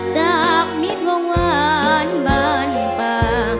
จากมิตรวงวานบ้านป่า